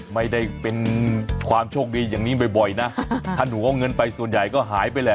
ไม่ได้เป็นความโชคดีอย่างนี้บ่อยนะถ้าหนูเอาเงินไปส่วนใหญ่ก็หายไปแหละ